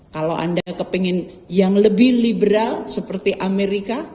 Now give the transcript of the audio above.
kalau anda kepengen yang lebih liberal seperti amerika